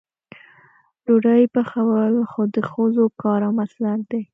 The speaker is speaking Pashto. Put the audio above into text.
ډوډۍ پخول خو د ښځو کار او مسلک دی.